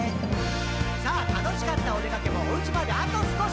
「さぁ楽しかったおでかけもお家まであと少し」